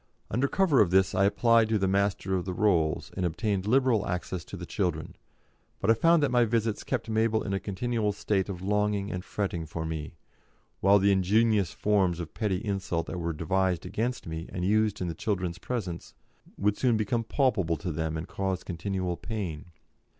Under cover of this I applied to the Master of the Rolls, and obtained liberal access to the children; but I found that my visits kept Mabel in a continual state of longing and fretting for me, while the ingenious forms of petty insult that were devised against me and used in the children's presence would soon become palpable to them and cause continual pain.